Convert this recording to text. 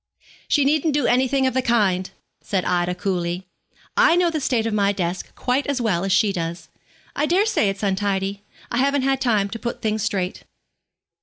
'She needn't do anything of the kind,' said Ida coolly. 'I know the state of my desk quite as well as she does. I daresay it's untidy. I haven't had time to put things straight.'